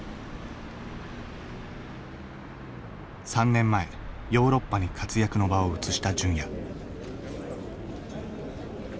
３年前ヨーロッパに活躍の場を移した純也。